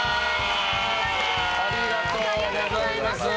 ありがとうございます。